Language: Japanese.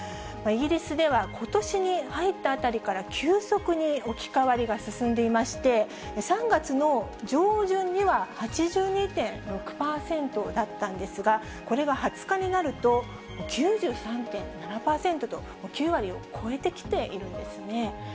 イギリスではことしに入ったあたりから、急速に置き換わりが進んでいまして、３月の上旬には８２．６％だったんですが、これが２０日になると、９３．７％と、９割を超えてきているんですね。